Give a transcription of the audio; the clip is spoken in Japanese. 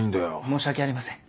申し訳ありません。